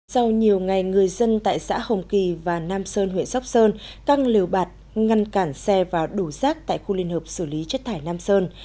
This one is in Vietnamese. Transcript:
sau nhiều ngày người dân tại xã hồng kỳ và nam sơn huyện sóc sơn căng liều bạt ngăn cản xe vào đủ rác tại khu liên hợp xử lý chất thải nam sơn